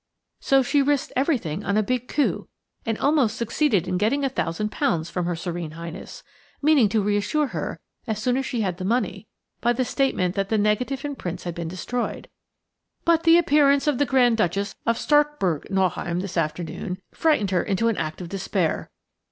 So she risked everything on a big coup, and almost succeeded in getting a thousand pounds from Her Serene Highness, meaning to reassure her, as soon as she had the money, by the statement that the negative and prints had been destroyed. But the appearance of the Grand Duchess of Starkburg Nauheim this afternoon frightened her into an act of despair.